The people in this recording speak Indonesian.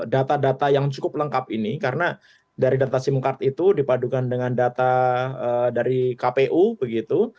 data data yang cukup lengkap ini karena dari data sim card itu dipadukan dengan data dari kpu begitu